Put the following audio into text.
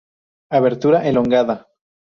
Abertura elongada.